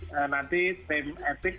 nah nanti tim etik